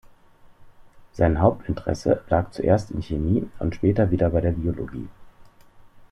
Sein Hauptinteresse lag zuerst in Chemie und später wieder bei der Biologie.